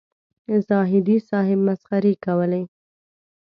زاهدي صاحب مسخرې کولې.